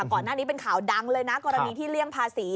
ก่อนหน้านี้เป็นข่าวดังเลยนะกรณีที่เลี่ยงภาษี